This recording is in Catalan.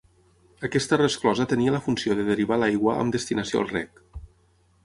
Aquesta resclosa tenia la funció de derivar l'aigua amb destinació al reg.